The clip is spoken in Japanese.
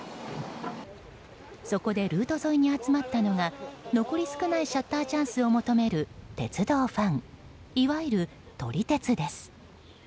そこでルート沿いに集まったのが残り少ないシャッターチャンスを求める鉄道ファンいわゆる撮り鉄です。